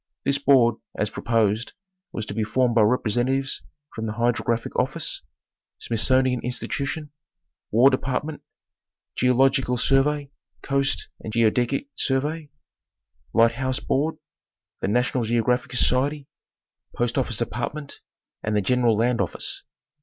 This board, as proposed, was to be formed by representatives from the Hydrographic Office, Smithsonian Institution, War Department, Geological Sur vey, Coast and Geodetic Survey, Light house Board, The National Geographic Society, Post Office Department, and the General VOL. II. 18 262 National Geographic Magazme. Land Office.